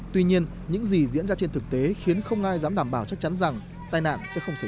tuy nhiên những gì diễn ra trên thực tế khiến không ai dám đảm bảo chắc chắn rằng tai nạn sẽ không xảy ra